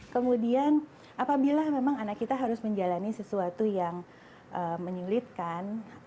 kemudian apabila memang anak kita harus menjalani sesuatu yang menyulitkan